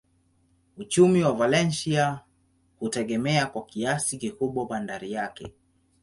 Uchumi wa Valencia hutegemea kwa kiasi kikubwa bandari yake.